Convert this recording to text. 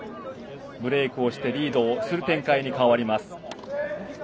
ブレークをしてリードする展開に変わります。